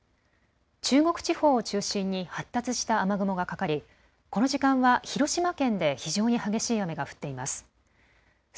中国地方を中心に発達した雨雲がかかり、この時間は広島県で非常に激しい雨が降っています。